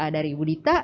dari ibu dita